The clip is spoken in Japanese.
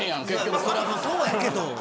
そうやけど。